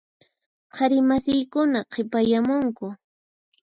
Qhari masiykuna qhipayamunku.